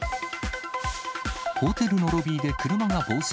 ホテルのロビーで車が暴走。